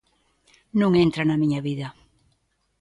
Non entra na miña vida.